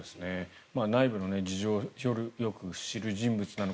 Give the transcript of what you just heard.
内部の事情をよく知る人物なのか